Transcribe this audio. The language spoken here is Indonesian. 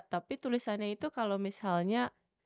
tapi tulisannya itu kalau misalnya